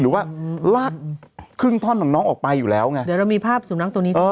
ว่าลากครึ่งท่อนของน้องออกไปอยู่แล้วไงเดี๋ยวเรามีภาพสูบน้ำตัวนี้